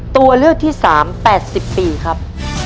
ตัวเลือกที่๓๘๐ปีครับ